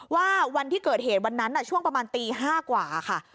วันที่เกิดเหตุวันนั้นช่วงประมาณตี๕กว่าค่ะ